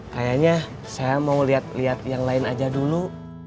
kayaknya saya mau liat liat yang lain aja dulu